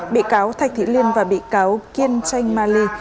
bị cáo thạch thị liên và bị cáo kiên chanh ma ly